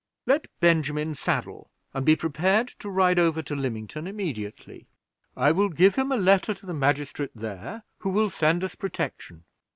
Let Benjamin saddle, and be prepared to ride over to Lymington immediately. I will give him a letter to the magistrate there, who will send us protection."